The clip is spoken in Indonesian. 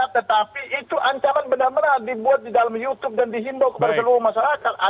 tetapi itu ancaman benar benar dibuat di dalam youtube dan dihimbau kepada seluruh masyarakat